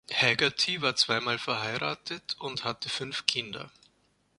Haggerty war zweimal verheiratet und hatte fünf Kinder.